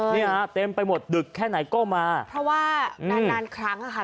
เนี่ยฮะเต็มไปหมดดึกแค่ไหนก็มาเพราะว่านานนานครั้งอ่ะค่ะ